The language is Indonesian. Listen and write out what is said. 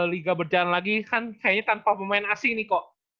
liga berjalan lagi kan kayaknya tanpa pemain asing nih kok